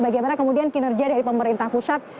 bagaimana kemudian kinerja dari pemerintah pusat